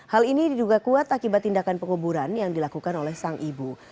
hal ini diduga kuat akibat tindakan penguburan yang dilakukan oleh sang ibu